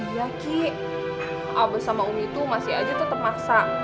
iya ki abes sama umi tuh masih aja tetep masa